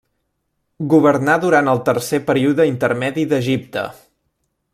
Governà durant el Tercer període intermedi d'Egipte.